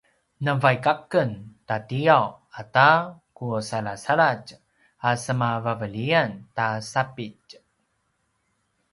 na vaik a ken tatiyaw ata ku salasaladj a sema vaveliyan ta sapitj